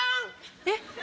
えっ！